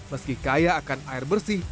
meski kaya akan air bersih